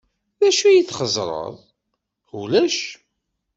D acu txeẓẓreḍ?" "Ulac.